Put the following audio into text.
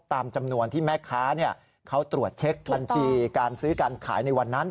ตามจำนวนที่แม่ค้าเขาตรวจเช็คบัญชีการซื้อการขายในวันนั้น